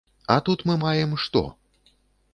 А тут мы маем што?